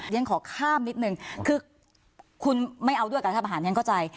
ฉันขอข้ามนิดนึงคือคุณไม่เอาด้วยกับรัฐประหารฉันเข้าใจ